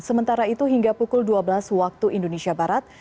sementara itu hingga pukul dua belas waktu indonesia barat